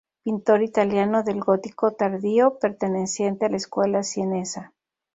Pintor italiano del gótico tardío, perteneciente a la escuela sienesa.